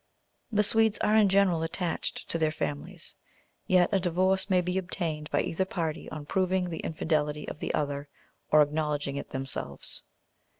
The Swedes are in general attached to their families, yet a divorce may be obtained by either party on proving the infidelity of the other or acknowledging it themselves.